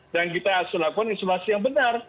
dan kita harus lakukan isolasi yang benar